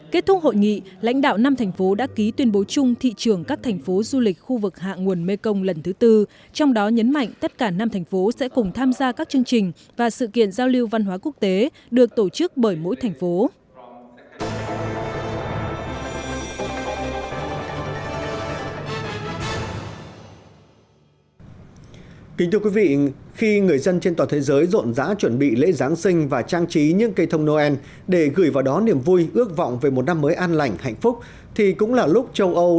kết thúc hội nghị lãnh đạo năm thành phố đã ký tuyên bố chung thị trường các thành phố du lịch khu vực hạ nguồn mekong lần thứ tư trong đó nhấn mạnh tất cả năm thành phố sẽ cùng tham gia các chương trình và sự kiện giao lưu văn hóa quốc tế được tổ chức bởi mỗi thành phố